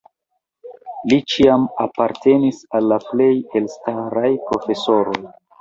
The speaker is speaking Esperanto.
Li ĉiam apartenis al la plej elstaraj profesoroj.